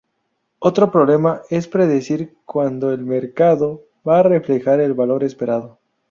Otro problema es predecir cuando el mercado va a reflejar el valor esperado.